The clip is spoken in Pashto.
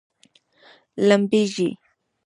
لمبیږي؟